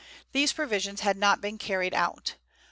These provisions had not been carried out.